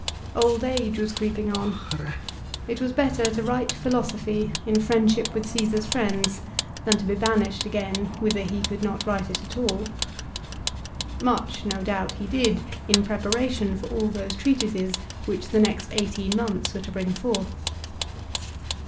Old age was creeping on. It was better to write philosophy, in friendship with Caesar's friends, than to be banished again whither he could not write it at all. Much no doubt he did, in preparation for all those treatises which the next eighteen months were to bring forth.